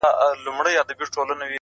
ورځه وريځي نه جــلا ســـولـه نـــن،